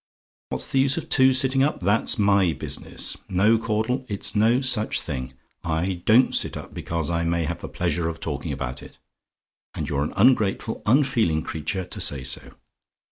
"WHAT'S THE USE OF TWO SITTING UP? "That's my business. No, Caudle, it's no such thing. I DON'T sit up because I may have the pleasure of talking about it; and you're an ungrateful, unfeeling creature to say so.